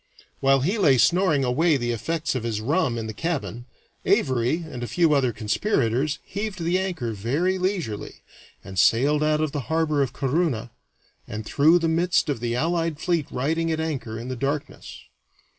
While he lay snoring away the effects of his rum in the cabin, Avary and a few other conspirators heaved the anchor very leisurely, and sailed out of the harbor of Corunna, and through the midst of the allied fleet riding at anchor in the darkness.